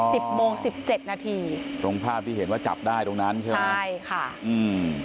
สิบโมงสิบเจ็ดนาทีตรงภาพที่เห็นว่าจับได้ตรงนั้นใช่ไหมใช่ค่ะอืม